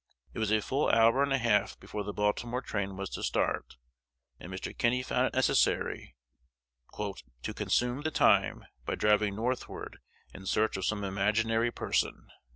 It was a full hour and a half before the Baltimore train was to start; and Mr. Kinney found it necessary "to consume the time by driving northward in search of some imaginary person."